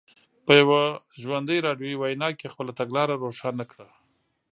په یوه ژوندۍ راډیویي وینا کې خپله تګلاره روښانه کړه.